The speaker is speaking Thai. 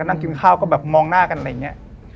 นั่งกินข้าวก็แบบมองหน้ากันอะไรอย่างนี้